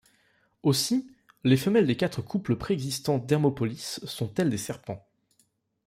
Aussi, les femelles des quatre couples préexistants d'Hermopolis sont-elles des serpents.